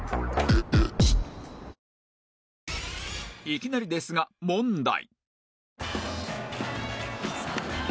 いきなりですが問題